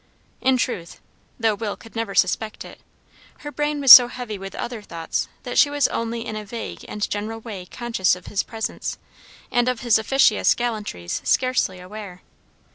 In truth, though Will could never suspect it, her brain was so heavy with other thoughts that she was only in a vague and general way conscious of his presence; and of his officious gallantries scarcely aware.